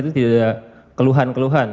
itu tidak ada keluhan keluhan